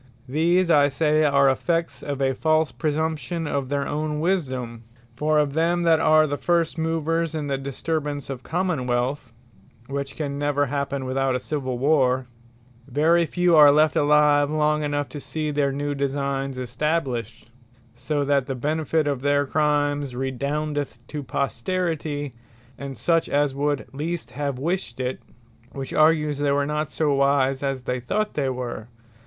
These I say are effects of a false presumption of their own Wisdome. For of them that are the first movers in the disturbance of Common wealth, (which can never happen without a Civill Warre,) very few are left alive long enough, to see their new Designes established: so that the benefit of their Crimes, redoundeth to Posterity, and such as would least have wished it: which argues they were not as wise, as they thought they were.